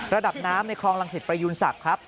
ระดับน้ำในคลองรังสิตประยูนศักดิ์ครับ